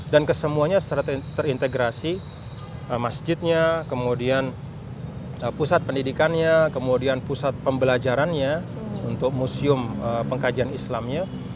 dan kesemuanya terintegrasi masjidnya kemudian pusat pendidikannya kemudian pusat pembelajarannya untuk museum pengkajian islamnya